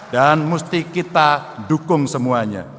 dan mesti kita dukung semuanya